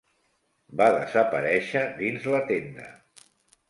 Va desaparèixer dins la tenda.